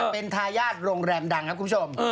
เป็นทายาทโรงแรมดังครับคุณผู้ชม